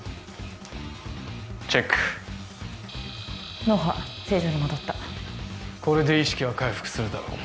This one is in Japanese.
チェック脳波正常に戻ったこれで意識は回復するだろう